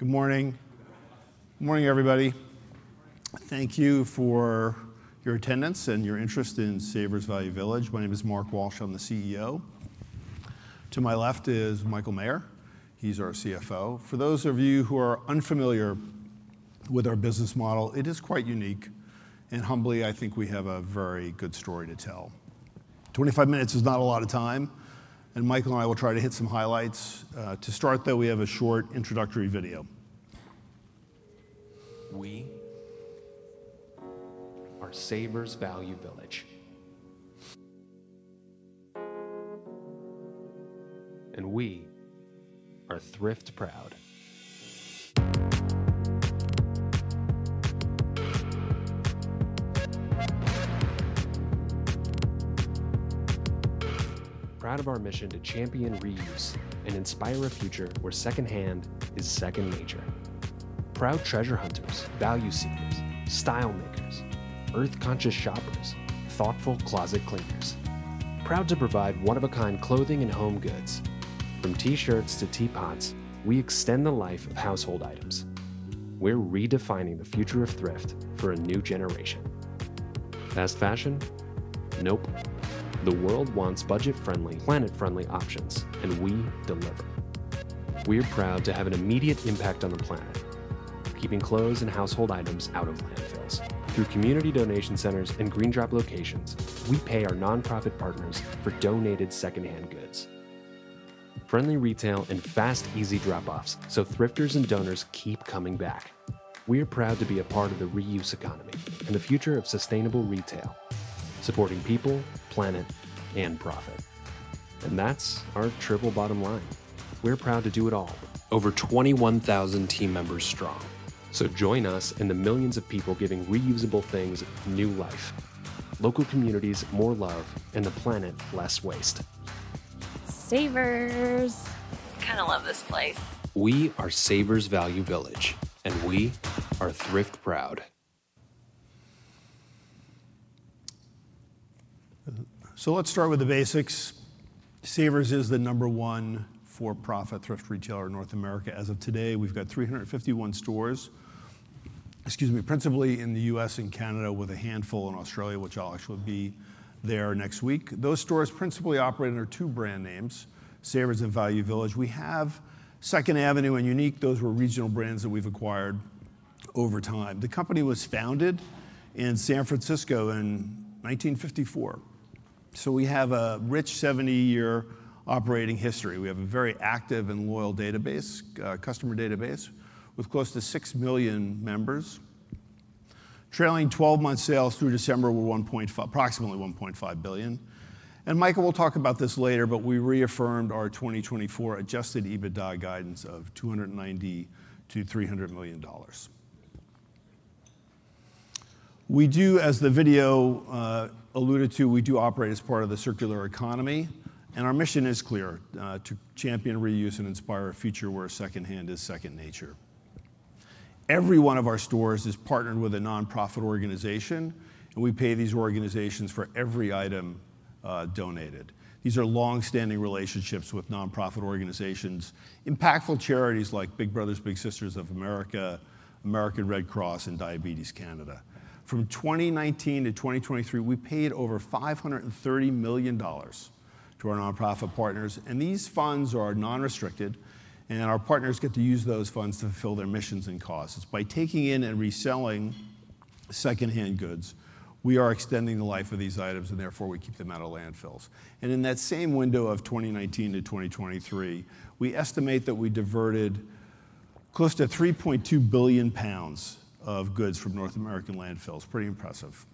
Good morning. Good morning, everybody. Thank you for your attendance and your interest in Savers Value Village. My name is Mark Walsh. I'm the CEO. To my left is Michael Maher. He's our CFO. For those of you who are unfamiliar with our business model, it is quite unique. And humbly, I think we have a very good story to tell. Twenty-five minutes is not a lot of time. And Michael and I will try to hit some highlights. To start, though, we have a short introductory video. We are Savers Value Village, and we are Thrift Proud. Proud of our mission to champion reuse and inspire a future where secondhand is second nature. Proud treasure hunters, value seekers, style makers, earth-conscious shoppers, thoughtful closet cleaners. Proud to provide one-of-a-kind clothing and home goods. From T-shirts to teapots, we extend the life of household items. We're redefining the future of thrift for a new generation. Fast fashion? Nope. The world wants budget-friendly, planet-friendly options, and we deliver. We are proud to have an immediate impact on the planet, keeping clothes and household items out of landfills. Through community donation centers and GreenDrop locations, we pay our nonprofit partners for donated secondhand goods. Friendly retail and fast, easy drop-offs so thrifters and donors keep coming back. We are proud to be a part of the reuse economy and the future of sustainable retail, supporting people, planet, and profit. That's our Triple Bottom Line. We're proud to do it all. Over 21,000 team members strong. Join us in the millions of people giving reusable things new life, local communities more love, and the planet less waste. Savers. I kind of love this place. We are Savers Value Village, and we are Thrift Proud. So let's start with the basics. Savers is the number one for-profit thrift retailer in North America. As of today, we've got 351 stores, excuse me, principally in the U.S. and Canada, with a handful in Australia, which I'll actually be there next week. Those stores principally operate under two brand names: Savers and Value Village. We have Second Avenue and Unique. Those were regional brands that we've acquired over time. The company was founded in San Francisco in 1954. So we have a rich 70-year operating history. We have a very active and loyal database, customer database, with close to six million members, trailing 12-month sales through December were approximately $1.5 billion. And Michael will talk about this later, but we reaffirmed our 2024 Adjusted EBITDA guidance of $290-$300 million. We do, as the video alluded to, we do operate as part of the circular economy. Our mission is clear: to champion reuse and inspire a future where secondhand is second nature. Every one of our stores is partnered with a nonprofit organization, and we pay these organizations for every item donated. These are long-standing relationships with nonprofit organizations, impactful charities like Big Brothers Big Sisters of America, American Red Cross, and Diabetes Canada. From 2019 to 2023, we paid over $530 million to our nonprofit partners. These funds are non-restricted, and our partners get to use those funds to fulfill their missions and causes. By taking in and reselling secondhand goods, we are extending the life of these items, and therefore we keep them out of landfills. In that same window of 2019-2023, we estimate that we diverted close to $3.2 billion of goods from North American landfills. Pretty impressive.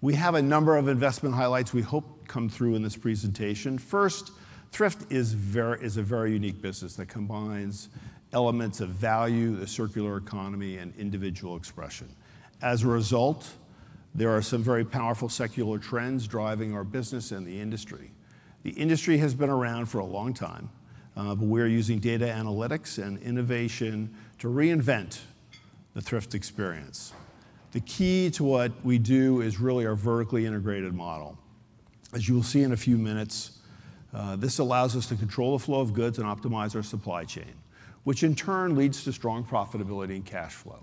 We have a number of investment highlights we hope come through in this presentation. First, thrift is a very unique business that combines elements of value, the circular economy, and individual expression. As a result, there are some very powerful secular trends driving our business and the industry. The industry has been around for a long time, but we are using data analytics and innovation to reinvent the thrift experience. The key to what we do is really our vertically integrated model. As you will see in a few minutes, this allows us to control the flow of goods and optimize our supply chain, which in turn leads to strong profitability and cash flow.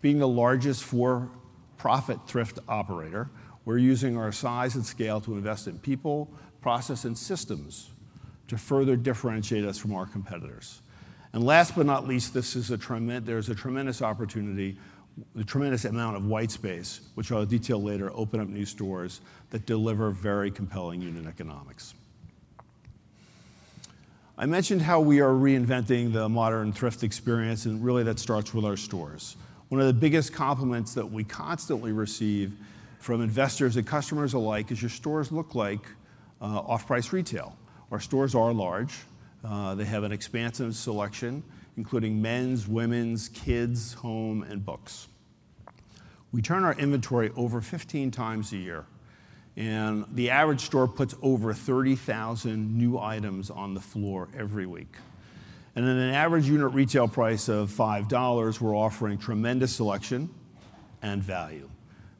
Being the largest for-profit thrift operator, we're using our size and scale to invest in people, process, and systems to further differentiate us from our competitors. And last but not least, there's a tremendous opportunity, the tremendous amount of white space, which I'll detail later, open up new stores that deliver very compelling unit economics. I mentioned how we are reinventing the modern thrift experience, and really that starts with our stores. One of the biggest compliments that we constantly receive from investors and customers alike is, "Your stores look like off-price retail." Our stores are large. They have an expansive selection, including men's, women's, kids, home, and books. We turn our inventory over 15 times a year, and the average store puts over 30,000 new items on the floor every week. And at an average unit retail price of $5, we're offering tremendous selection and value.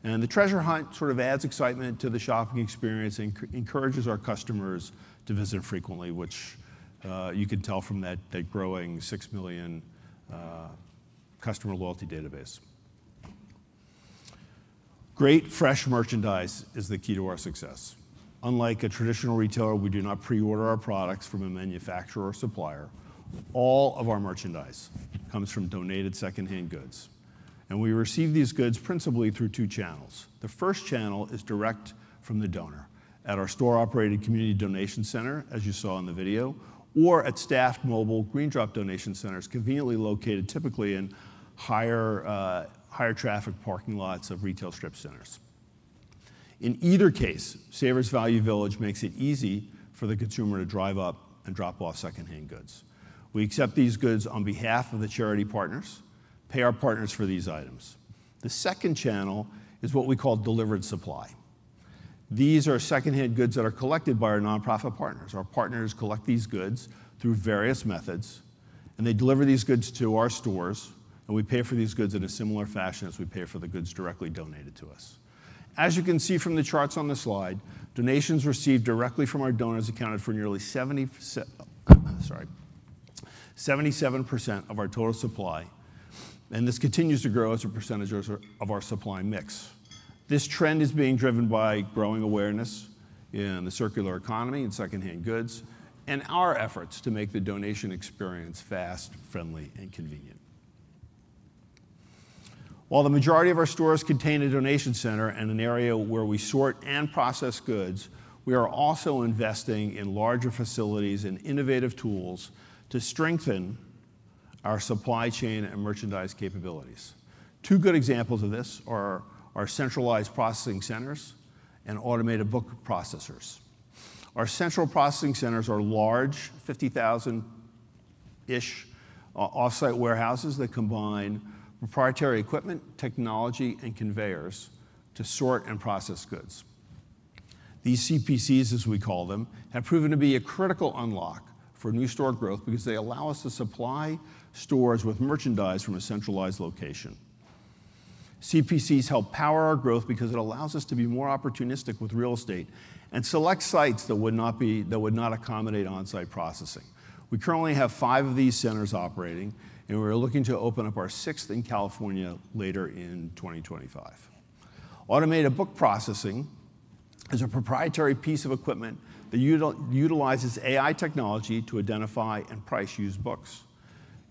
And the treasure hunt sort of adds excitement to the shopping experience and encourages our customers to visit frequently, which you can tell from that growing six million customer loyalty database. Great, fresh merchandise is the key to our success. Unlike a traditional retailer, we do not preorder our products from a manufacturer or supplier. All of our merchandise comes from donated secondhand goods. And we receive these goods principally through two channels. The first channel is direct from the donor at our store-operated community donation center, as you saw in the video, or at staffed mobile GreenDrop donation centers conveniently located typically in higher traffic parking lots of retail strip centers. In either case, Savers Value Village makes it easy for the consumer to drive up and drop off secondhand goods. We accept these goods on behalf of the charity partners, pay our partners for these items. The second channel is what we call delivered supply. These are secondhand goods that are collected by our nonprofit partners. Our partners collect these goods through various methods, and they deliver these goods to our stores. And we pay for these goods in a similar fashion as we pay for the goods directly donated to us. As you can see from the charts on the slide, donations received directly from our donors accounted for nearly 77% of our total supply. And this continues to grow as a percentage of our supply mix. This trend is being driven by growing awareness in the circular economy and secondhand goods and our efforts to make the donation experience fast, friendly, and convenient. While the majority of our stores contain a donation center and an area where we sort and process goods, we are also investing in larger facilities and innovative tools to strengthen our supply chain and merchandise capabilities. Two good examples of this are our centralized processing centers and automated book processors. Our central processing centers are large 50,000-ish off-site warehouses that combine proprietary equipment, technology, and conveyors to sort and process goods. These CPCs, as we call them, have proven to be a critical unlock for new store growth because they allow us to supply stores with merchandise from a centralized location. CPCs help power our growth because it allows us to be more opportunistic with real estate and select sites that would not accommodate on-site processing. We currently have five of these centers operating, and we're looking to open up our sixth in California later in 2025. Automated book processing is a proprietary piece of equipment that utilizes AI technology to identify and price used books.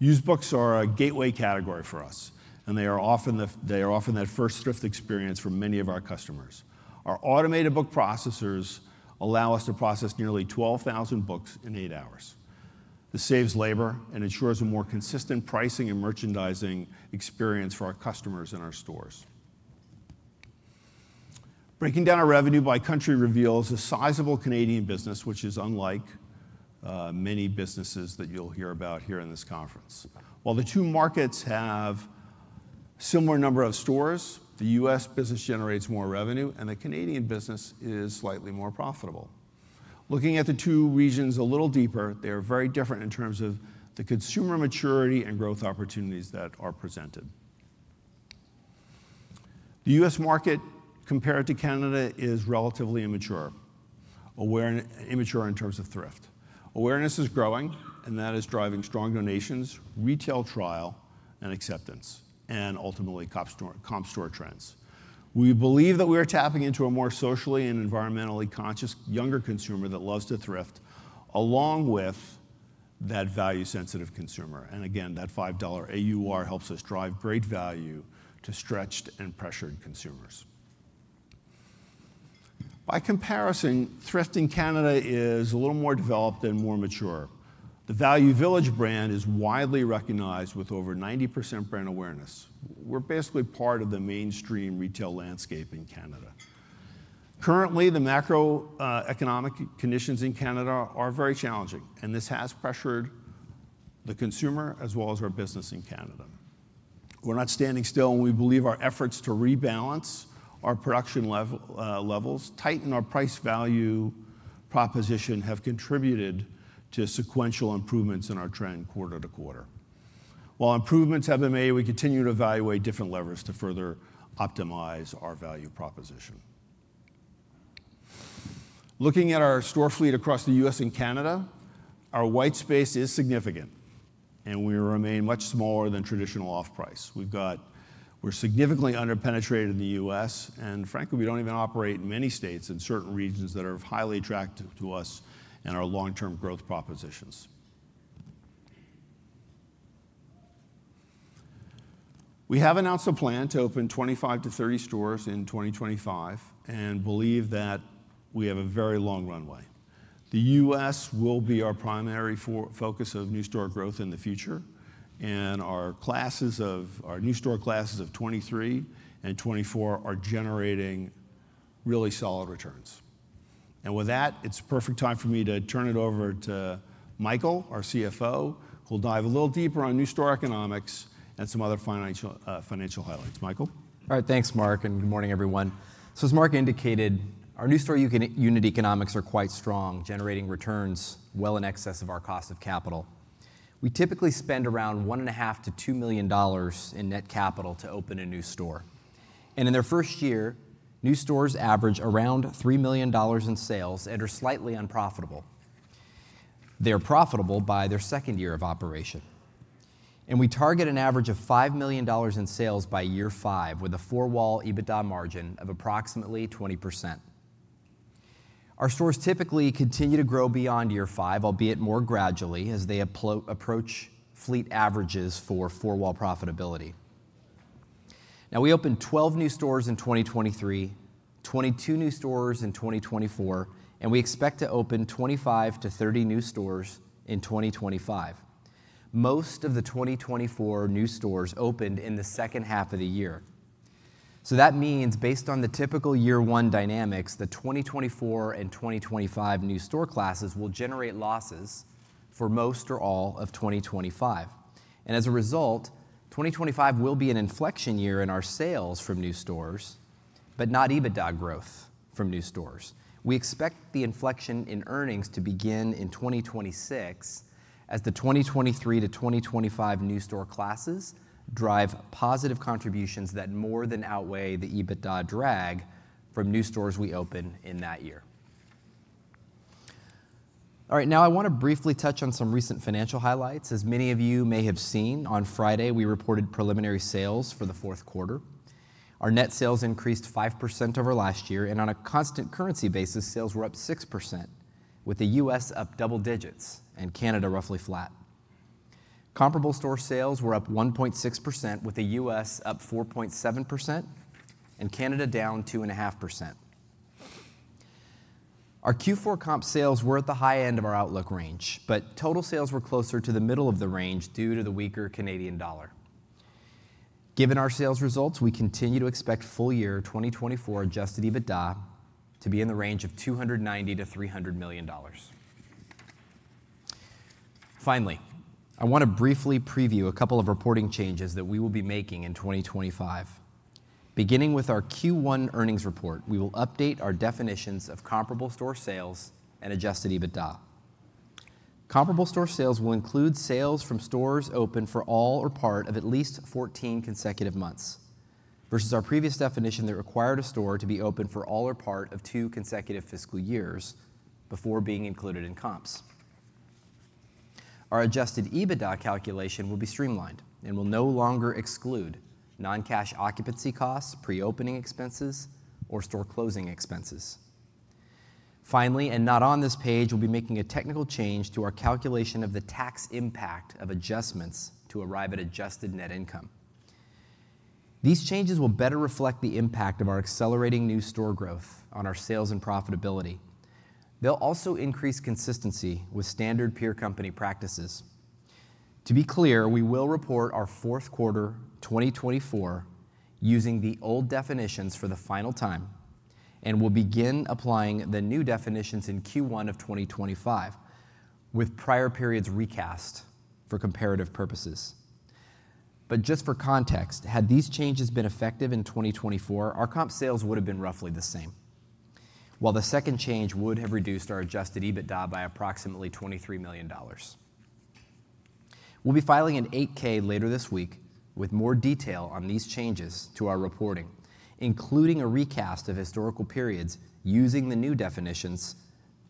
Used books are a gateway category for us, and they are often that first thrift experience for many of our customers. Our automated book processors allow us to process nearly 12,000 books in eight hours. This saves labor and ensures a more consistent pricing and merchandising experience for our customers and our stores. Breaking down our revenue by country reveals a sizable Canadian business, which is unlike many businesses that you'll hear about here in this conference. While the two markets have a similar number of stores, the U.S. business generates more revenue, and the Canadian business is slightly more profitable. Looking at the two regions a little deeper, they are very different in terms of the consumer maturity and growth opportunities that are presented. The U.S. market, compared to Canada, is relatively immature, immature in terms of thrift. Awareness is growing, and that is driving strong donations, retail trial, and acceptance, and ultimately comp store trends. We believe that we are tapping into a more socially and environmentally conscious younger consumer that loves to thrift, along with that value-sensitive consumer and again, that $5 AUR helps us drive great value to stretched and pressured consumers. By comparison, thrift in Canada is a little more developed and more mature. The Value Village brand is widely recognized with over 90% brand awareness. We're basically part of the mainstream retail landscape in Canada. Currently, the macroeconomic conditions in Canada are very challenging, and this has pressured the consumer as well as our business in Canada. We're not standing still, and we believe our efforts to rebalance our production levels, tighten our price value proposition, have contributed to sequential improvements in our trend quarter to quarter. While improvements have been made, we continue to evaluate different levers to further optimize our value proposition. Looking at our store fleet across the U.S. and Canada, our white space is significant, and we remain much smaller than traditional off-price. We're significantly underpenetrated in the U.S., and frankly, we don't even operate in many states in certain regions that are of highly attractive to us and our long-term growth propositions. We have announced a plan to open 25-30 stores in 2025 and believe that we have a very long runway. The U.S. will be our primary focus of new store growth in the future, and our new store classes of 2023 and 2024 are generating really solid returns. And with that, it's a perfect time for me to turn it over to Michael, our CFO, who'll dive a little deeper on new store economics and some other financial highlights. Michael. All right. Thanks, Mark, and good morning, everyone. So, as Mark indicated, our new store unit economics are quite strong, generating returns well in excess of our cost of capital. We typically spend around $1.5-$2 million in net capital to open a new store. And in their first year, new stores average around $3 million in sales and are slightly unprofitable. They're profitable by their second year of operation. And we target an average of $5 million in sales by year five, with a Four-Wall EBITDA margin of approximately 20%. Our stores typically continue to grow beyond year five, albeit more gradually, as they approach fleet averages for four-wall profitability. Now, we opened 12 new stores in 2023, 22 new stores in 2024, and we expect to open 25-30 new stores in 2025. Most of the 2024 new stores opened in the second half of the year. So that means, based on the typical year-one dynamics, the 2024 and 2025 new store classes will generate losses for most or all of 2025. And as a result, 2025 will be an inflection year in our sales from new stores, but not EBITDA growth from new stores. We expect the inflection in earnings to begin in 2026, as the 2023 to 2025 new store classes drive positive contributions that more than outweigh the EBITDA drag from new stores we open in that year. All right. Now, I want to briefly touch on some recent financial highlights. As many of you may have seen, on Friday, we reported preliminary sales for the fourth quarter. Our net sales increased 5% over last year, and on a constant currency basis, sales were up 6%, with the U.S. up double digits and Canada roughly flat. Comparable store sales were up 1.6%, with the U.S. up 4.7% and Canada down 2.5%. Our Q4 comp sales were at the high end of our outlook range, but total sales were closer to the middle of the range due to the weaker Canadian dollar. Given our sales results, we continue to expect full year 2024 Adjusted EBITDA to be in the range of $290-$300 million. Finally, I want to briefly preview a couple of reporting changes that we will be making in 2025. Beginning with our Q1 earnings report, we will update our definitions of comparable store sales and Adjusted EBITDA. Comparable store sales will include sales from stores open for all or part of at least 14 consecutive months versus our previous definition that required a store to be open for all or part of two consecutive fiscal years before being included in comps. Our Adjusted EBITDA calculation will be streamlined and will no longer exclude non-cash occupancy costs, pre-opening expenses, or store closing expenses. Finally, and not on this page, we'll be making a technical change to our calculation of the tax impact of adjustments to arrive at Adjusted Net income. These changes will better reflect the impact of our accelerating new store growth on our sales and profitability. They'll also increase consistency with standard peer company practices. To be clear, we will report our fourth quarter 2024 using the old definitions for the final time, and we'll begin applying the new definitions in Q1 of 2025, with prior periods recast for comparative purposes. But just for context, had these changes been effective in 2024, our comp sales would have been roughly the same, while the second change would have reduced our Adjusted EBITDA by approximately $23 million. We'll be filing an 8-K later this week with more detail on these changes to our reporting, including a recast of historical periods using the new definitions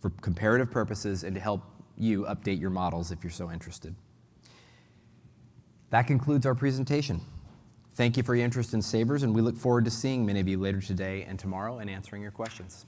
for comparative purposes and to help you update your models if you're so interested. That concludes our presentation. Thank you for your interest in Savers, and we look forward to seeing many of you later today and tomorrow and answering your questions.